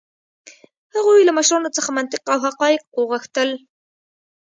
هغوی له مشرانو څخه منطق او حقایق غوښتل.